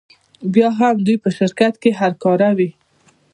بیا هم دوی په شرکت کې هر کاره وي